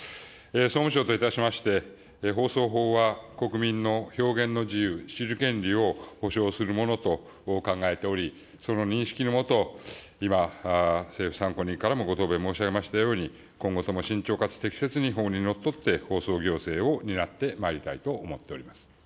総務省といたしまして、放送法は、国民の表現の自由、知る権利を保障するものと考えており、その認識の下、今、政府参考人からもご答弁申し上げましたように、今後とも慎重かつ適切に法にのっとって放送行政を担ってまいりたいと思っております。